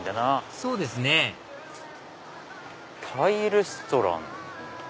そうですねタイレストラン。